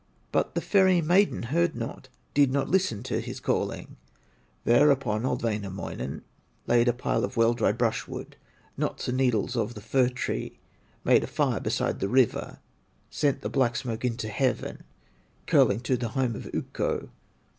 But the ferry maiden heard not, Did not listen to his calling. Thereupon old Wainamoinen, Laid a pile of well dried brush wood, Knots and needles of the fir tree, Made a fire beside the river, Sent the black smoke into heaven, Curling to the home of Ukko.